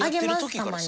たまに。